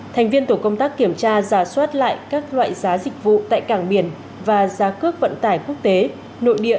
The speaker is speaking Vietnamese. thành viên tổ công tác kiểm tra giả soát lại các loại giá dịch vụ tại cảng biển và giá cước vận tải quốc tế nội địa